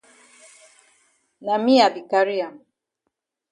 Na me I be carry am.